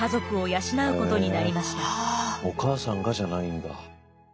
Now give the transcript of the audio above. お母さんがじゃないんだ。